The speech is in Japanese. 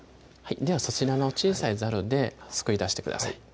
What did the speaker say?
ではそちらの小さいザルですくい出してください